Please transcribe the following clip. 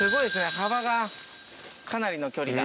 幅がかなりの距離が。